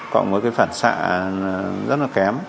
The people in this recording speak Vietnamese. còn với cái phản xạ rất là kém